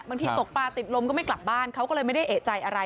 ตกปลาติดลมก็ไม่กลับบ้านเขาก็เลยไม่ได้เอกใจอะไร